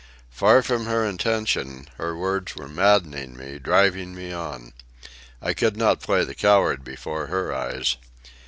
Far from her intention, her words were maddening me, driving me on. I could not play the coward before her eyes.